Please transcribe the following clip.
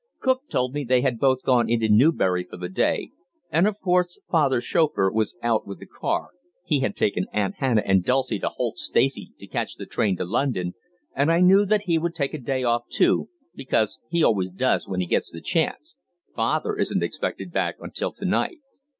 "Cook told me they had both gone into Newbury for the day, and of course father's chauffeur was out with the car he had taken Aunt Hannah and Dulcie to Holt Stacey to catch the train to London, and I knew that he would take a day off too, because he always does when he gets the chance father isn't expected back until to night.